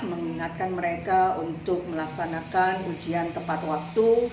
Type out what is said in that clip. mengingatkan mereka untuk melaksanakan ujian tepat waktu